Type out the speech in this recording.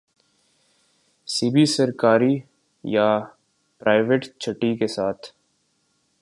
سی بھی سرکاری یا پرائیوٹ چھٹی کے ساتھ